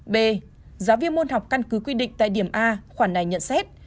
b giáo viên môn học căn cứ quy định tại điểm a khoản này nhận xét